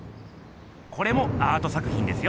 これもアート作品ですよ。